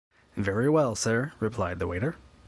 ‘Very well, sir,’ replied the waiter.